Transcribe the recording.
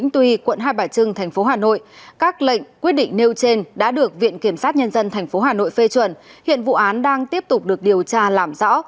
quận hai bà trưng tp hà nội các lệnh quyết định nêu trên đã được viện kiểm sát nhân dân tp hà nội phê chuẩn hiện vụ án đang tiếp tục được điều tra làm rõ